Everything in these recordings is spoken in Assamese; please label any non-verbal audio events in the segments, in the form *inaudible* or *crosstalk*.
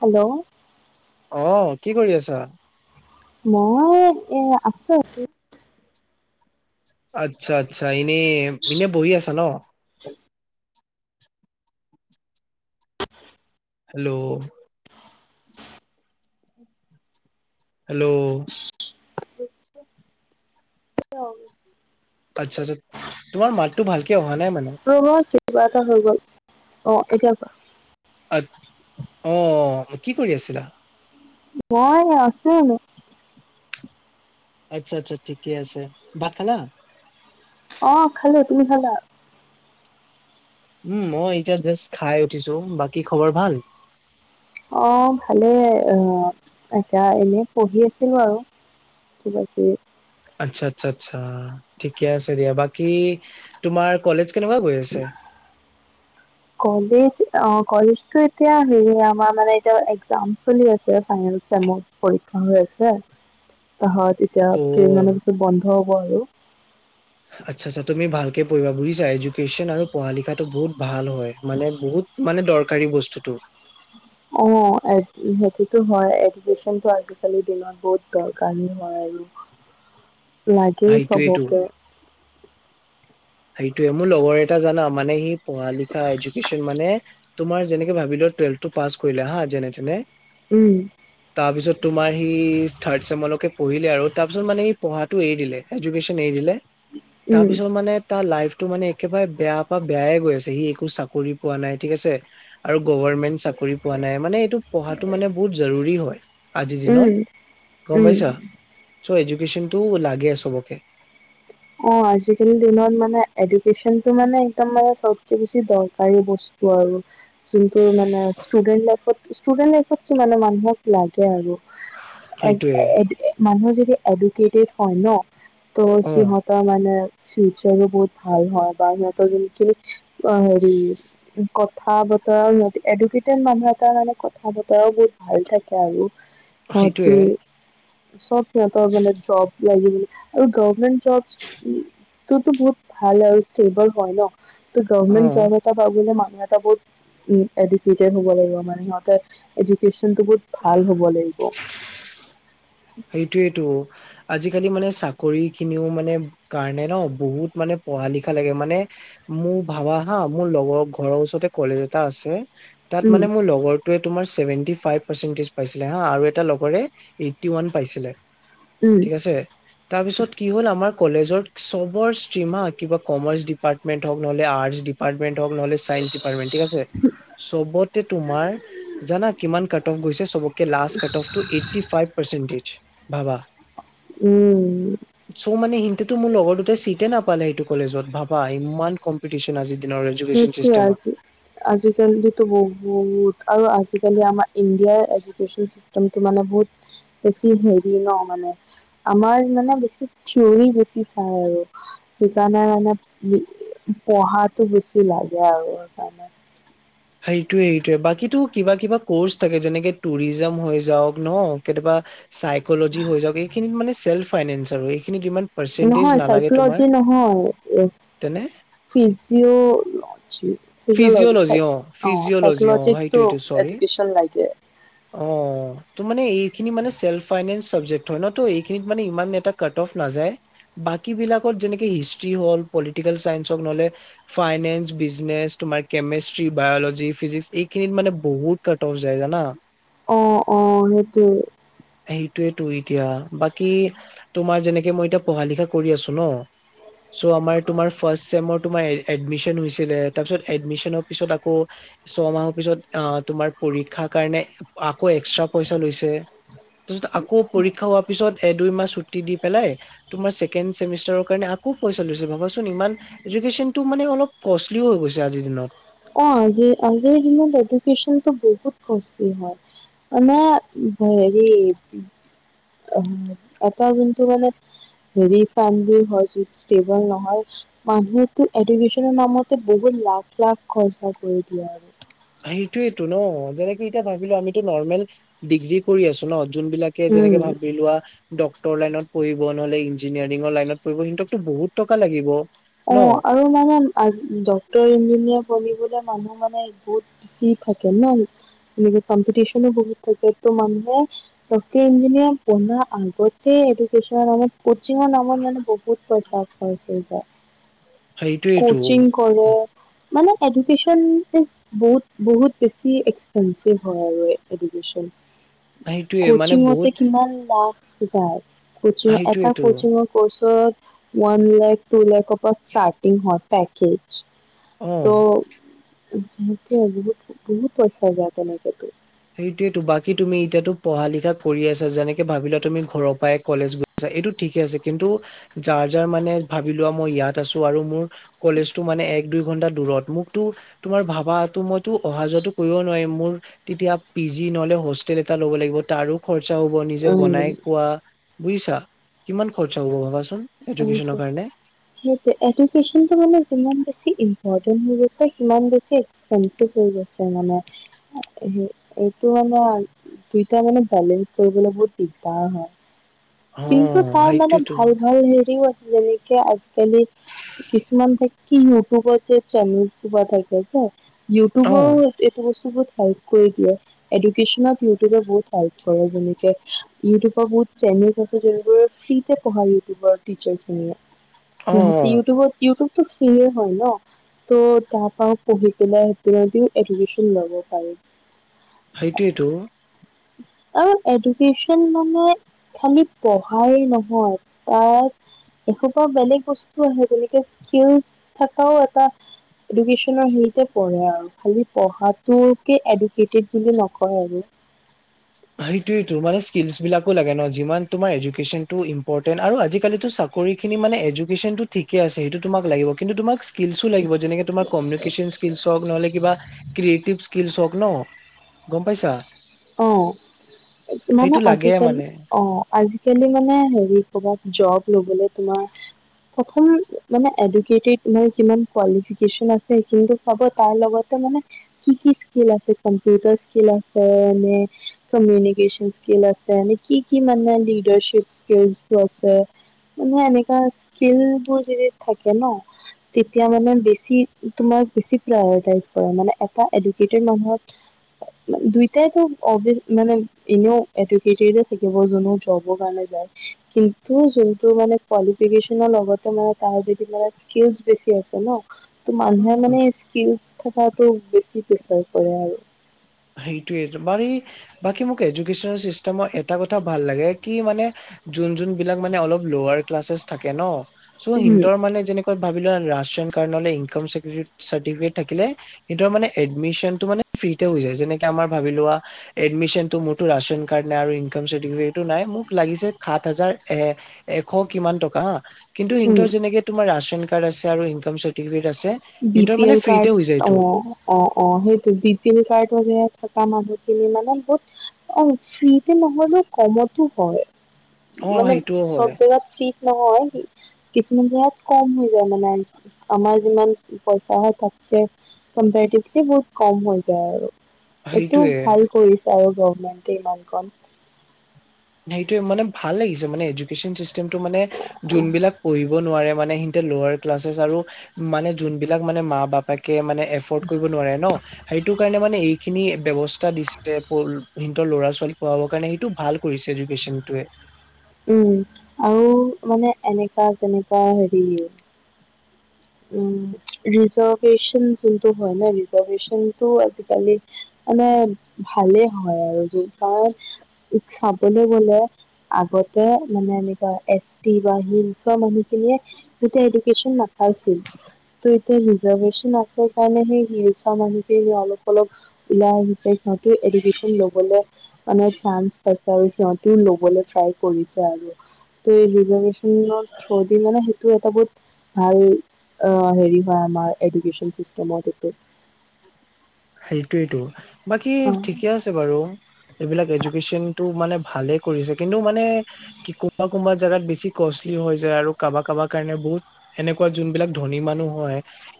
হেল্ল' অ', কি কৰি আছা মই এ আছো আৰু আচ্ছা আচ্ছা এনেই ইনে বহি আছা ন হেল্ল' হেল্ল' আচ্ছা আচ্ছা তোমাৰ মাতটো ভালকে অহা নাই মানে ৰব কিবা এটা হৈ গল অ' এতিয়াৰ পৰা আ অ' কি কৰি আছিলা মই আছো আচ্ছা আচ্ছা ঠিকে আছে ভাত খালা অ', খালো তুমি খালা উম মই এতিয়া জাষ্ট খাই উঠিছো বাকী খবৰ ভাল অ', ভালেই আহ এয়া এনে পঢ়ি আছিলো আৰু কিবা কয় আচ্ছা আচ্ছা আচ্ছা ঠিকে আছে দিয়া বাকী তোমাৰ কলেজ কেনেকুৱা গৈ আছে? কলেজ অ 'কলেজতটো এতিয়া হেৰি আমাৰ মানে এতিয়া এক্জাম চলি আছে ফাইনেল চেমৰ পৰীক্ষা পাহাৰ হৈ আছে তাহত এতিয়া অ কেইদিনমানৰ পিছত বন্ধ হ'ব আৰু আচ্ছা আচ্ছা তুমি ভালকে পঢ়িবা বুজিছা এডুকেচন আৰু পঢ়া লিখাটো বহুত ভাল হয় মানে বহুত মানে দৰকাৰী বস্তুতটো অ' সেইটোতো হয় এডুকেচনটো আজিকালি দিনত বহুত দৰকাৰী হয় আৰু লাগেই সেইটোৱেটো চবকে সেইটোে মোৰ লগৰ এটা জানা মানে সি পঢ়া লিখা এডুকেশ্যন মানে তোমাৰ যেনেকে ভাবিলো টুৱেলভ টো পাছ কৰিলে হা যেনে তেনে উম তাৰপিছত তোমাৰ সি থাৰ্ড চেমৰকে পঢ়িলে আৰু তাৰপিছত মানে সি পঢ়াটো এৰি দিলে এডুকেশ্যন এৰি দিলে উম, তাৰপিছত মানে তাৰ লাইফতটো মানে একেবাৰে বেয়া পা বেয়াই গৈ আছে সি একো চাকৰি পোৱা নাই ঠিক আছে আৰু গভৰ্মেণ্ট চাকৰি পোৱা নাই মানে এইটো পঢ়াটো মানে বহুত জৰুৰী হয় আজিৰ উম, দিনত গম উম। পাইছ চ' এডুকেশচনতটো লাগে চবকে অ' আজিকালিৰ দিনত মানে এডুকেশচনতটো মানে একদম মানে চবে বেছি দৰকাৰী বস্তু আৰু যোনটো মানে ষ্টুডেণ্ট ষ্টুডেণ্ট লাইফত কি মানুহক লাগে আৰু সেইটোয়ে মানুহ যদি এডুকেটেড হয় ন ত অ সিহত মানে ফিউচাৰো বহুত ভাল হয় বা সিহঁতৰ যেকি হেৰি কথা বতৰাও এডুকেটেড মানুহ এটাাৰ মানে কথা বতৰাও বহুত ভাল থাকে আৰু সেইটোয়ে সিহঁতি চব সিহঁতৰ মানে জব লাগিব আৰু গভমেণ্ট জব ততো বহুত ভাল আৰু ষ্টেবল হয় ন ত গভৰ্মেট অ জব এটা বা মান বহুত এডুকেটেট হব লাগিব মানে এডুকেচন বহুত ভাল হ'ব লাগিব সেইটোৱেইটো আজিকালি মানে চাকৰি খিনিও মানে কাৰণে ন বহুত মানে পঢ়া লিখা লাগে মানে মোৰ ভাবা হা মোৰ লগৰ ঘৰৰ ওচৰতে কলেজ এটা আছে তাত উম মানে মোৰ লগৰোৱে তোমাৰছেভেটি ফাইভ পাৰ্চেন্টেজ পাইছিলে হা আৰু এটা লগৰে টি ওৱান পাইছিলে উম ঠিক আছে তাৰপিছত কি হ'ল আমাৰ কলেজত চবৰ ষ্টিম হা কমাৰ্চ ডিপাৰ্টেম হওক নহলে আৰ্ট ষ্টিম উৱেন্তৱৰ্ক নহলে চাইঞ্চ ডিপাৰটমেন্ট ঠিক আছে চবত তোমাৰ জানা কিমান কাটঅফ গৈছে চবকে লাষ্ট কাটঅফটো এইটি ফাইভ চিনগিজ বাবা উম তেতো মোৰ লগৰ দুটাই চিটে নাপালে এইটো কলেজত ভাবা ইমান কম্পিটিচন আজি সেইটোৱে আজি আজিকালি যেতো ব বহুত আৰু আজিকালি আমাৰ ইন্দিয়াৰ এডুকেচন চিষ্টেমটো মানে বহুত বেছি হেৰি ন মানে আমাৰ মানে বেছি থিয়ৰি বেছি চাই আৰু সেইকাৰণে মানে পঢ়াতো বেছি লাগে আৰু সেকাণে সেইটোয়ে সেইটোয়ে বাকীতো কিবা কিবা কৰ্চ থাকে যেনেকে টুৰিজাম হৈ যাওক ন কেতিয়াবা চাইকলজি হৈ যাওক এইখিনিত মানে চেল্ফ ফাইনেন্স আৰু খিনি তোমাৰ পাৰ্চেন্টেজ নহয় নালাগে তোমাৰ, চাইকলজি নহয় তেনে ফিজিঅ'লজি ফিজিঅ'লজি চাই অ ফিজিঅলজি অ চাইকলজিকটো সেইটোয়েটো চৰি এডুকেশ্যন লাগে অ ত মানে এইখিনি মানে চেলফাইনেচ্ চাবজেক হয় ন এইখিনিত মান ইমান এটা কাটঅফ নাযায় বাকী বিলাকত যেনেকে হিষ্ট হল পলিটিকেল চাইচ্ হক নহলে ফাইনেন্স বিজনেচ্ তোম আৰ কেমেষ্ট্ৰি বায়লজি ফিজিক্ এইখিনিত মানে বহুত কাটঅফ যায় জানা অ অ সেইটোৱে সেইটোয়েই তো ই এতিয়া বাকী তোমাৰ যেনেকে মই এতিয়া পঢ়া লিখা কৰি আছো ন চ' আমাৰ তোমাৰ ফাৰ্ষ্ট চেমৰ তোমাৰ এডমিচন হৈছিলে তাৰপিছত এডমিচনৰ পিছত আকৌ ছমাহৰ পিছত আ তোমাৰ পৰীক্ষা কাৰণে আকৌ এক্স্ৰা পইচা লৈছে তাৰপিছত আকৌ পৰীক্ষা হোৱাৰ পিছত এ দুই মাহ ছুটি দি পেলাই তোমাৰ ছেকেণ্ড চেমিষ্টাৰ কাৰণে আক খুব পইচা লৈছে ভাবাচোন ইমান এডুকেচনটো মানে অলপ কষ্টলিও হৈ গৈছে আজিৰ দিনত অ আজিৰ আজিৰ দিনৰ এটো কচিঙ ত বহুত কচলি হয় মানে হেৰি অ এটা কিন্তু মানে চেভি ফানবোৰ হয় ইষ্টেবল নহয় মানুহো এডিমিচনৰ নামতে বহুত লাখ লাখ খৰচা কৰি দিয়ে আৰু সেইটোয়েটো ন যেনেকে এতিয়া ভাবিলো আমিতো নৰ্মেল ডিগ্ৰী কৰি আছো ন যোনবিলাকে যেনেকে উম ভাবি লোৱা ডক্তৰ লাইনত পঢ়িব নহলে ইঞ্জিনিয়াৰিঙৰ লাইনত পঢ়িব সিহতকতো বহুত টকা লাগিব অ ন আৰু মানে আজি ডক্টৰ ইঞ্জিনিয়াৰ পঢ়িবলে মানুহ মানে বহুত বেছি থাকে ন এনেকে কম্পিটিচনো বহুত থাকে তো মানুহে ডক্তৰ ইঞ্জিনিয়াৰ পঢ়াৰ আগতে এ এইটো কচিঙৰ নামত কচিঙৰ নামত মানে বহুত পইচা খৰচ হৈ যায় সেইটোয়েতো কচিং কৰে মানে এডুকেশ্যন ইজ বহুত-বহুত বেছি এক্সপেঞ্চিভ হয় আৰু, এডুকেশ্যন। সেইটোয়ে মানে কচিং মতে বহুত কিমান লাখ যায় কচিং এটা সেইটোয়েতো কচিংৰ কৰ্চত ওৱান লেখ টু লেখ অব ষ্টাৰ্টিং হয় পেকে উম সেইটো বহুত বহুত পইচা যায় তেনেকেতো সেটোৱেটো বাকী তুমি এতিয়াতো পঢ়া লিখা কৰি আছা যেনেকে ভাবিলা তুমি ঘৰৰ পৰাই কলেজ গৈছ এইটো ঠিক ঠিকে আছে কিন্তু যাৰ যাৰ মানে ভাবি লোৱা মই ইয়াত আছো আৰু মোৰ কলেজটো মানে এক দুই ঘণ্টাত দূৰত মোকতো তোমাৰ ভাবা মইতো অহা যোৱাটো কৰিব নোৱাৰিম মোৰ তেতিয়া পি জি নহলে হোষ্টেল এটা ল'ব লাগিব তাৰো খৰচা হ'ব নিজে বনাই খোৱা বুইছা কিমান খৰচা হ'ব ভাবাচোন এডুকেশ্যনৰ সেইটোৱে কাৰণে সেইটোৱে এডুকেচনটো মানে যিমান বেছি ইন *unintelligible* সিমান বেছি এস্কপেনচিব্ হৈ গৈছে মানে এইটো দুইটা মানে বেলেঞ্চ কৰিবলৈ বহুত দিগদাৰ হয়। অ কিন্তু তাৰ মানে সেইটোয়েতো ভাল ভাল হেৰিও আছে। যেনেকে আজিকালি, কিছুমান *unintelligible* কি ইউটিউবত যে চেনেলছ ব্লগ থাকে যে। অ ইউটিউবও এইটো বস্তু বহুত হেল্প কৰি দিয়ে, এডুকেশ্যনত ইউটিউবে বহুত হেল্প কৰে যেনেকে ইউটিউবৰ বহুত চেনেল আছে। জোনবোৰ ফ্ৰী তে পঢ়ালে ইউটিউবৰ টীছাৰ খিনিয়ে, অ ইউটিউবত ফ্ৰীয়ে হয় ন? ত' তাৰপাও পঢ়ি পেলাই সও এডুকেচন ল'ব পাৰি। সেইটোইটো আৰু এডুকেশচন মানে খালি পঢ়াই নহয় তাত এসোপা বেলেগ বস্তু আহে যেনেকে স্কিলছ থকাও এটা এডুকেশ্বনৰ হয়তে পঢ়া আৰু খালি পঢ়াটোকে এডুকেটেট বুলি নকয় আৰু। *inaudible* *unintelligible* সেইটোয়েটো মানে স্কিলছ বিলাকো লাগে ন যিমান তোমাৰ এডুকেশ্বনটো ইম্পৰটেন্ট আৰু আজিকালিটো ছাব চাকৰি খিনি মানে এডুকেশ্বন ঠিকে আছে সেইটো তোমাক লাগিব কিন্তু তোমাক স্কিলছো লাগিব যেনেকে তোমাৰ‌ কমিউনিকেশন স্কিল হক নহলে কিবা ক্ৰয়েটিভ *unintelligible* ন' গম পাইছা? অ মানে সেইটো লাগে আজিকালি মানে অ আজিকালি মানে হেৰি ক'বাত জব ল'বলে তোমাৰ অকণমান মানে এডুকেডেট কুৱালিফীকেচন আছে সেইটো চাব তাৰ লগতে-' মানে কি কি স্কিল আছে কম্পিউটাৰ স্কিল আছে মানে কমিউনিকশন স্কিল আছে নে কি কি মানে লিডাৰচিপ স্কিল আছে মানে এনেকুৱা স্কিল বোৰ যদি থাকে ন তেতিয়া মানে বেছি তোমাৰ বেছি প্ৰায় মানে এটা এডুকেটেত মানুহত দুই ‌ তে' তেওঁৰ অবিছ মানে, এনেও *unintelligible* থাকিব যোনবোৰ জবৰ কাৰণে যায়, কিন ন্ত যোনটো মানে কোৱালিফিকেচনৰ লগতে মানে তাৰ য মানে স্কিলচ বেছি আছে ন ত মানুহে মানে স্কিলচ থকাটো বেছি প্ৰিপেয়াৰ কৰে আৰু। সেইটোয়েই বাকী মোক এডুকেশনৰ চিষ্টেমত এটা কথা ভাল লাগে কি মানে যোন যোন বিলাক মানে অলপ লোৱাৰ ক্লাছেছ থাকে ন চ' উম সিহতৰ মানে যেনেকুৱা ভাবিলোৱা ৰেচন কাৰ্ড নহ'লে ইনকাম চাৰ্টিফিকেট থাকিলে সেইটো মানে এডমিচনটো মানে প্ৰিটে হয় যায়। যেনেকে আমাৰ ভাবি লোৱা এডমিচনটো মোৰটো ৰাচন কাৰ্ড নাই আৰু ইনকাম চাৰৰ্টিফিকেটো নাই মোক লাগিছে সাত হাজাৰ এ-এশ কিমান টকা হা কিন্তু উম ইহতৰ যেনেকে তোমাৰ ৰাচন কাৰ্ড আছে আৰু ইনকাম চাৰ্টিফিকেট আছে বি সিহঁতৰ পি মানে এল ফ্ৰীতে হৈ কাৰ্ড যায়টো অ অ অ সেইটো বি পি এল কাৰ্ডৰ ধৰক থকা মানুহখিনি মানে বহুত অ ফ্ৰীতে নহলেও কমতো হয়। অ মানে সেইটোও হয় চব জেগাত ফ্ৰী নহয় কিছুমান জেগাত কম হৈ যায় মানে আমাৰ যিমান পইচা হয় তাতকে কম্পেৰিটিভলি বহুত কম হৈ যায় আৰু। এইটো সেইটোয়ে ভাল কৰিছে আৰু গভমেণ্টে ইমানকণ সেইটো মানে ভাল লাগিছে মানে এডুকেচন চিষ্টেমটো মানে যোনবিলাক পঢ়িব নোৱাৰে মানে সিহতে লৱাৰ ক্লাছেছ আৰু মানে যোনবিলাক মানে মা বাপেক মে এফৰ্ড কৰিব নোৱাৰে ন সেইটো কাৰণে মানে এ খিনি ব্যৱস্থা দিছে সিহতৰ ল'ৰা ছোৱালী পঢ়াবৰ কাৰণে সেইটো ভাল। কৰিছে এডুকেশনটোৱে। উম আৰু মানে এনেকা যেনেৱা হেৰি উম ৰিজাৰ্ভেশচন যোনটো হয় ন ৰিজাৰ্ভেশচনটো আজিকালি মানে ভালেই হয় আৰু য কাৰণ চাবলৈ গলে আগত যাতে মানে এনেকা এচ তি বা হিলছৰ মানুহখিনিয়ে যাতে এডুকেশ্বন না আছিল। তো এতিয়া ৰিজাৰভেশচন আছে কাৰণে সেই হিলচৰ মানুহখিনিৰ অলপ অলপ ওলাই আহিছে। হয়তো এডুকেশ্যন ল'বলৈ মানে চানন্স পাইছে। আৰু সিহঁতেও ল'বলৈ ট্ৰাই কৰিছে আৰু ত ৰিজাৰভেশচনত থুৰ দি মানে তোৰ এটা বুট ভাল হেৰি আহ হয় আমাৰ এডুকেশ্যন ছিষ্টেমত এইটো সেইটোৱে টো বাকী ঠিকে আছে বাৰু। এইবিলাক এডুকেশ্যনতটো মানে ভালে কৰিছে, কিন্তু মানে কি কবা কোনোবা জাগাত বেছি কষ্টলি হৈ যায় আৰু কাৰোবাক। কাব কাৰণে বহুত এনেকুৱা যোনবিলাক ধনী মানুহ হয়।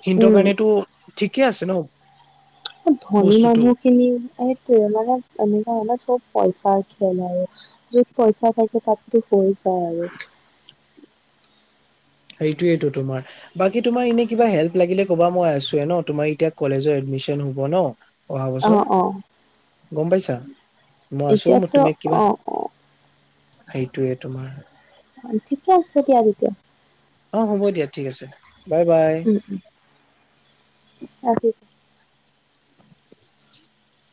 হিন্দুৰ কাৰণেতো ঠিকে আছে ন। ধনী বস্তুটো মানুহ খিনি এইটোৱে মানে এনেকুৱা হ'লে চ'ব পইচা খেল আৰু য'ত পইছা খেল থাকে তাতটো পইছা আৰু সেইটোয়েইো তোমাৰ বাকি তোমাৰ এনে কিবা হেল্প লাগিলে কবা মই আছোয়ে ন তোমাৰ এতিয়া কলেজৰ এডমিশ্যন হ'ব ন অহা আৰু বছৰ। অ', অ', গ'ম পাইছা, মই আছোঁ, মোৰ এতিয়াতো তুমি কিবা। অ', অ', সেইটোৱে, তোমাৰ। ঠিকে আছে দিয়া তেতিয়া। অ হ'ব দিয়া ঠিক আছে বাই বাই আজি *unintelligible*